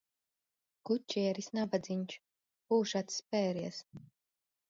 Kučieris, nabadziņš, pūš atspēries.